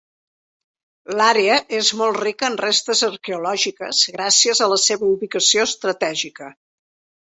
L'àrea és molt rica en restes arqueològiques gràcies a la seva ubicació estratègica.